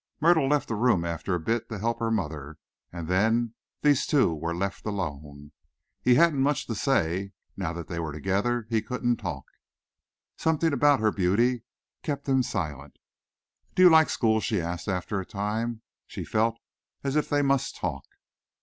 Myrtle left the room after a bit to help her mother, and then these two were left alone. He hadn't much to say, now that they were together he couldn't talk. Something about her beauty kept him silent. "Do you like school?" she asked after a time. She felt as if they must talk.